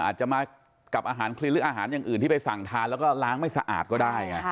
อาจจะมากับอาหารคลินหรืออาหารอย่างอื่นที่ไปสั่งทานแล้วก็ล้างไม่สะอาดก็ได้ไง